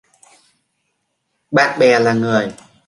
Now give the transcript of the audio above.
Bạn bè là người